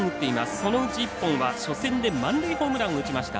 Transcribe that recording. そのうち１本は初戦で満塁ホームランを打ちました。